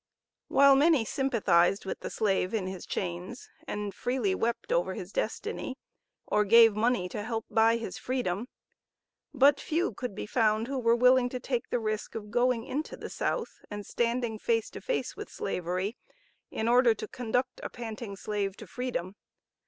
While many sympathized with the slave in his chains, and freely wept over his destiny, or gave money to help buy his freedom, but few could be found who were willing to take the risk of going into the South, and standing face to face with Slavery, in order to conduct a panting slave to freedom.